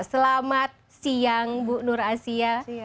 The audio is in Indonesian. selamat siang bu nur asia